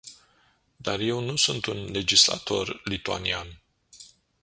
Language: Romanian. Dar eu nu sunt un legislator lituanian!